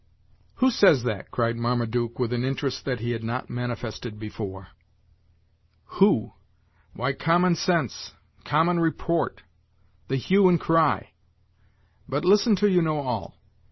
"Who says that?" cried Marmaduke, with an interest; that he had not manifested before. "Who? why, common sense common report the hue and cry. But listen till you know all.